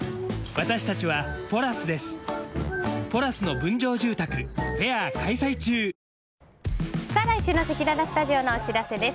東京海上日動来週のせきららスタジオのお知らせです。